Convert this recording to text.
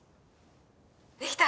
「できた！